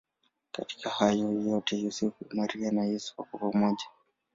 Katika hayo yote Yosefu, Maria na Yesu wako pamoja.